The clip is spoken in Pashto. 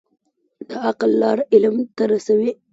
د عقل لار علم ته رسوي.